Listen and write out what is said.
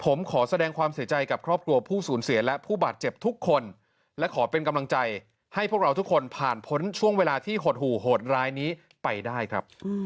ผมขอแสดงความเสียใจกับครอบครัวผู้สูญเสียและผู้บาดเจ็บทุกคนและขอเป็นกำลังใจให้พวกเราทุกคนผ่านพ้นช่วงเวลาที่หดหู่โหดร้ายนี้ไปได้ครับ